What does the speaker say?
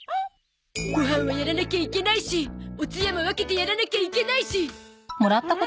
ご飯はやらなきゃいけないしおつやも分けてやらなきゃいけないし。